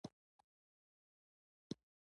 سرښوونکی ښوونکو ته د درس ورکولو سپارښتنه کوي